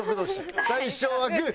最初はグー！